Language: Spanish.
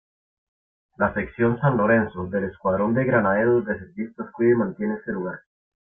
La Sección San Lorenzo del Escuadrón de Granaderos Reservistas cuida y mantiene ese lugar.